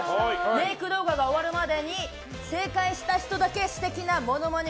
メイク動画が終わるまでに正解した人だけ素敵なモノマネ